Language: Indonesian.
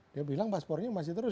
dia bilang paspornya masih terus